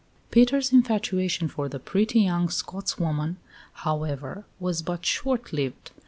Peter's infatuation for the pretty young "Scotswoman," however, was but short lived.